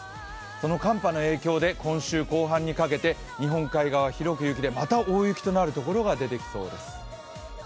その寒波の影響で今週後半にかけて日本海側、広く雪で、また大雪となる所が出てきそうです。